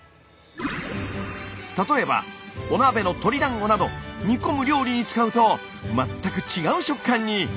例えばお鍋の鶏だんごなど煮込む料理に使うと全く違う食感に！